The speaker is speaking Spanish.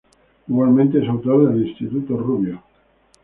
Igualmente es autor del Instituto Rubio.